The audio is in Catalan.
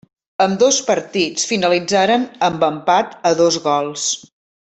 Ambdós partits finalitzaren amb empat a dos gols.